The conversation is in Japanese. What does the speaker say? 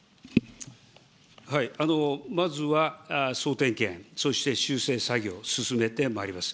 まずは総点検、そして修正作業を進めてまいります。